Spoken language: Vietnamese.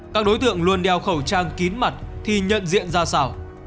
các đối tượng luôn đeo khẩu trang kín mặt thì nhận diện ra sao